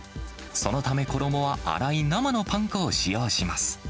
そのため衣は粗い生のパン粉を使用します。